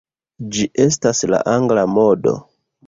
Ĝi estas la Angla modo.